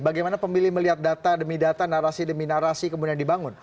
bagaimana pemilih melihat data demi data narasi demi narasi kemudian dibangun